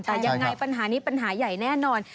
แต่ยังไงปัญหานี้ปัญหาใหญ่แน่นอน